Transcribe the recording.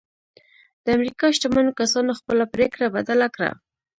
د امريکا شتمنو کسانو خپله پرېکړه بدله کړه.